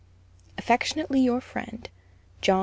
Affectionately your friend, JNO.